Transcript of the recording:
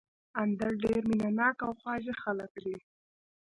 اندړ ډېر مېنه ناک او خواږه خلک دي